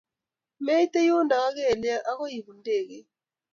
Meite yundo ak kelyek akoi ibun ndeget